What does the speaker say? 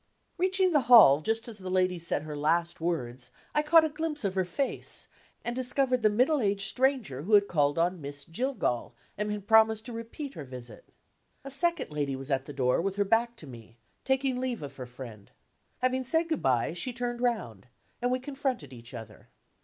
Reaching the hall just as the lady said her last words, I caught a glimpse of her face, and discovered the middle aged stranger who had called on "Miss Jillgall," and had promised to repeat her visit. A second lady was at the door, with her back to me, taking leave of her friend. Having said good by, she turned round and we confronted each other.